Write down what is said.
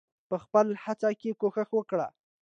په خپله هڅه کې کوښښ وکړئ.